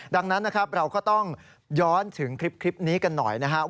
ดังนั้นนะครับเราก็ต้องย้อนถึงคลิปนี้กันหน่อยนะครับ